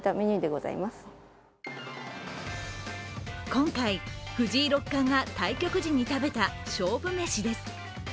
今回、藤井六冠が対局時に食べた勝負飯です。